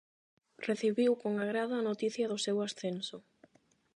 Recibiu con agrado a noticia do seu ascenso.